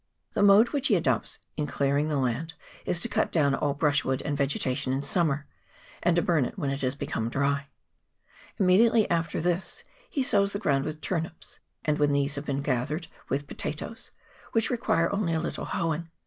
The mode which he adopts in clearing the land is to cut down all brush wood and vegetation in summer, and to burn it when it has become dry. Immediately after this he sows the ground with turnips, and when these have been gathered, with potatoes, which require only a little hoeing.